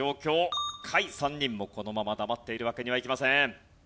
下位３人もこのまま黙っているわけにはいきません。